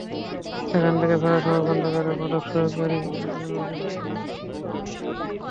সেখান থেকে ফেরার সময় গ্রন্থাগারের পাঠকক্ষ সহকারী নজরুল ইসলাম তাঁর শ্লীলতাহানি করেন।